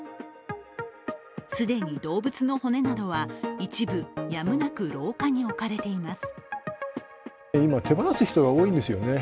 既に動物の骨などは一部、やむなく廊下に置かれています。